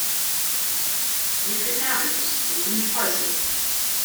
Secretarius, wo sie mit häusl.